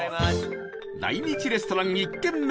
大人気レストラン１軒目